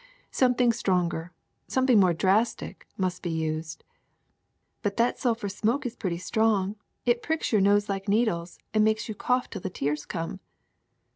Some thing stronger, something more drastic, must be used.'' ^^But that sulphur smoke is pretty strong; it pricks your nose like needles, and makes you cough till the tears come.''